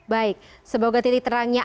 baik semoga titik terangnya